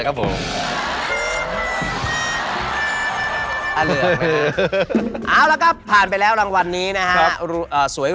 กวนกีฬาอวอร์ดสถานกีฬาขวัญใจคนโซเชียล